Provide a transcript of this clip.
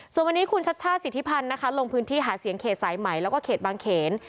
ส่วนวันนี้คุณชัชชาติสิทธิพันธ์นะคะลงพื้นที่หาเสียงเขตสายใหม่แล้วก็เขตบางเขน